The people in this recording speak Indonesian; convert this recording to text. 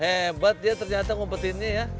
hebat dia ternyata kompetinya ya